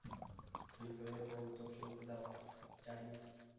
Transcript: কিন্তু এ রকম তো চলতে দেওয়া যায় না।